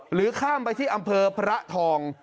หรือข้ามไปที่อำเภอพระทอง